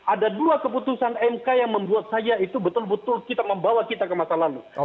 ada dua keputusan mk yang membuat saya itu betul betul kita membawa kita ke masa lalu